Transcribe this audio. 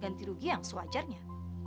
ganti rugi yang sewajarnya